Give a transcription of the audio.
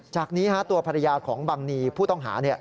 จากนี้ตัวภรรยาของบังนีผู้ต้องหา